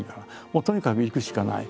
もうとにかく行くしかない。